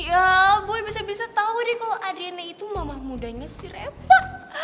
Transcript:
ya bu bisa bisa tau deh kalo adanya itu mamah mudanya si reva